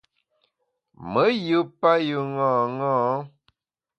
Me yù payù ṅaṅâ.